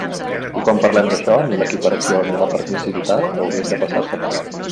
I quan parlem d'això, ni l'equiparació, ni la permissivitat haurien de passar-se per alt.